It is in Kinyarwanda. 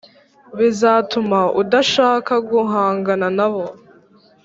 Bizatuma udashaka guhangana na bo